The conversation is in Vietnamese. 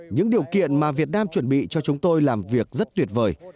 những điều kiện mà việt nam chuẩn bị cho chúng tôi làm việc rất tuyệt vời